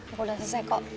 aku udah selesai kok